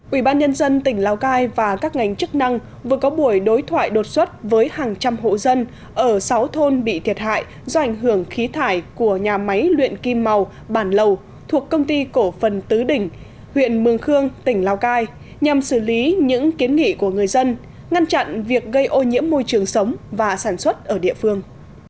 ủy ban nhân dân tỉnh lào cai và các ngành chức năng vừa có buổi đối thoại đột xuất với hàng trăm hộ dân ở sáu thôn bị thiệt hại do ảnh hưởng khí thải của nhà máy luyện kim màu bản lầu thuộc công ty cổ phần tứ đỉnh huyện mường khương tỉnh lào cai nhằm xử lý những kiến nghị của người dân ngăn chặn việc gây ô nhiễm môi trường sống và sản xuất ở địa phương